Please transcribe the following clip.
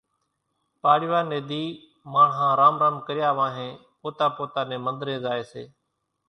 پاڙوا ني ۮي ماڻۿان رام رام ڪريا وانھين پوتا پوتا نين منۮرين زائي سي،